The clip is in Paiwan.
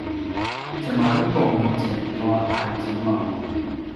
tjemalupung itjen tua anzingmau